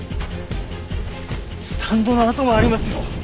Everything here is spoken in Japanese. スタンドの跡もありますよ。